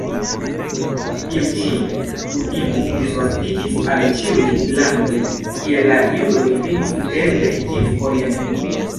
Tiu ĉi kutimo disvastiĝis al ĉiuj landoj, kie la judoj vivis, eble ĝis Oriento.